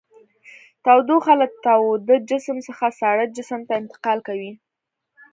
تودوخه له تاوده جسم څخه ساړه جسم ته انتقال کوي.